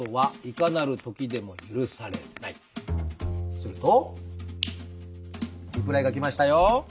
するとリプライが来ましたよ。